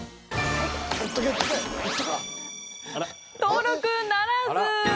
登録ならず。